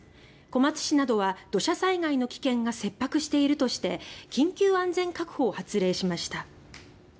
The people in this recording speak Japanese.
小松市は、土砂災害の危険が切迫しているとして「緊急安全確保」を発令しました。